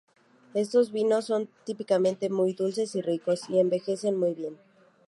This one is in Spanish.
Estos vinos son típicamente muy dulces y ricos, y envejecen muy bien.